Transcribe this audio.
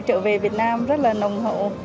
trở về việt nam rất là nồng hậu